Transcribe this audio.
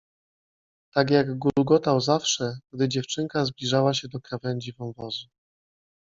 Tak jak gulgotał zawsze, gdy dziewczynka zbliżała się do krawędzi wąwozu.